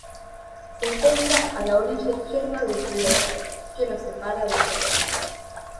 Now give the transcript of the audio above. Se encuentra a la orilla izquierda del río Oder que lo separa de Polonia.